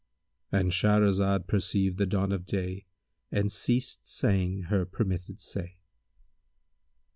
"—And Shahrazad perceived the dawn of day and ceased saying her permitted say.